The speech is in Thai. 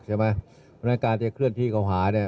เพราะฉะนั้นการจะเคลื่อนที่เขาหาเนี่ย